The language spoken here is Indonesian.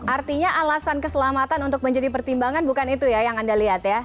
artinya alasan keselamatan untuk menjadi pertimbangan bukan itu ya yang anda lihat ya